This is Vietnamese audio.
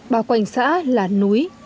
bào quanh xã là núi